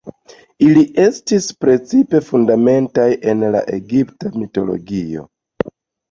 Ili estis precipe fundamentaj en la egipta mitologio.